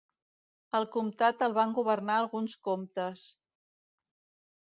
El comtat el van governar alguns comtes.